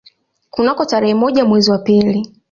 Kunako tarehe moja mwezi wa pili